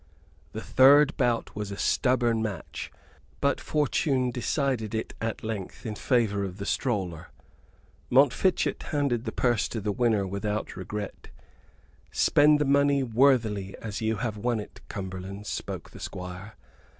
The third bout was a stubborn match, but fortune decided it at length in favor of the stroller. Montfichet handed the purse to the winner without regret. "Spend the money worthily as you have won it, Cumberland," spoke the Squire.